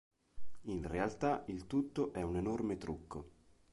In realtà, il tutto è un enorme trucco.